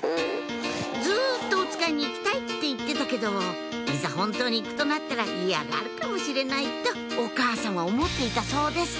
ずっとおつかいに行きたいって言ってたけどいざ本当に行くとなったら嫌がるかもしれないとお母さんは思っていたそうです